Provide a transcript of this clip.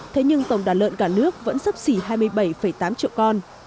thế nhưng tổng đàn lợn cả nước vẫn sắp xỉ hai mươi bảy tám triệu con